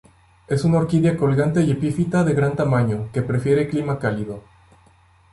Es una orquídea colgante y epifita de gran tamaño, que prefiere clima cálido.